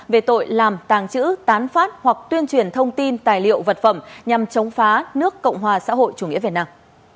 về tội làm tàng trữ tán phát hoặc tuyên truyền thông tin tài liệu vật phẩm nhằm chống phá nước cộng hòa xã hội chủ nghĩa việt nam